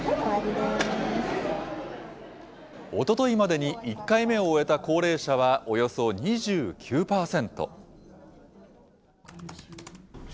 おとといまでに１回目を終えた高齢者はおよそ２９％。